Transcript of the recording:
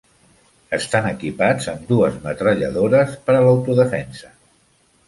Estan equipats amb dues metralladores per a l'autodefensa.